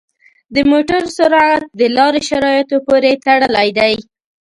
د موټر سرعت د لارې شرایطو پورې تړلی دی.